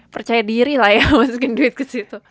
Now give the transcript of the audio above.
percaya diri lah ya